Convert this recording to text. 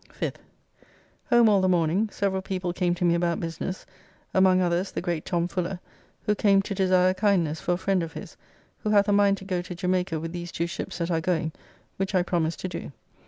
5th. Home all the morning. Several people came to me about business, among others the great Tom Fuller, who came to desire a kindness for a friend of his, who hath a mind to go to Jamaica with these two ships that are going, which I promised to do.